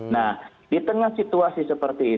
nah di tengah situasi seperti ini